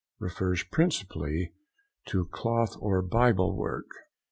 Refers principally to cloth and bible work.